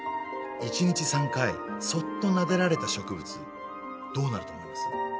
一日３回そっとなでられた植物どうなると思います？